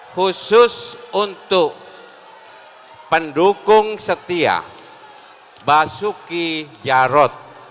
khusus untuk pendukung setia basuki jarod